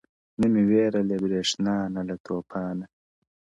نه مي وېره له برېښنا نه له توپانه-